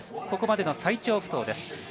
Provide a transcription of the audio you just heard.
ここまでの最長不倒です。